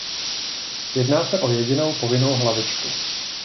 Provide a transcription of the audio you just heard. Jedná se o jedinou povinnou hlavičku.